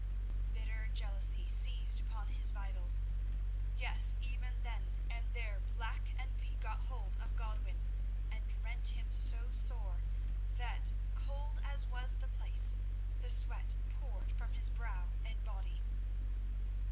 Bitter jealousy seized upon his vitals. Yes; even then and there, black envy got hold of Godwin, and rent him so sore that, cold as was the place, the sweat poured from his brow and body.